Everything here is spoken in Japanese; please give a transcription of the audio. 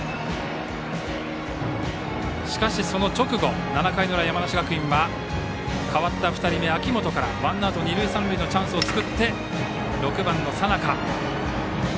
しかしその直後７回の裏、山梨学院は代わった２人目、秋本からワンアウトランナー、二塁三塁のチャンスを作って６番の佐仲。